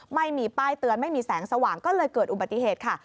ไม่มีป้ายเตือนไม่มีแสงสว่างก็เลยเกิดอุบัติเหตุค่ะ